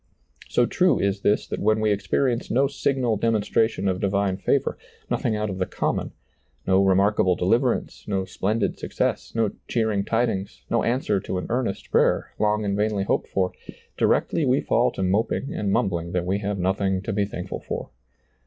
So true is this that when we experience no signal demonstration of divine favor, nothing out of the common, no remarkable deliverance, no splendid success, no cheering tid ings, no answer to an earnest prayer, long and vainly hoped for, directly we fall to moping and mumbling that we have nothing to be thankful ^lailizccbvGoOgle A THANKSGIVING SERMON 155 for.